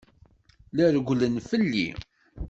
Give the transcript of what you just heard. La rewwlen fell-i.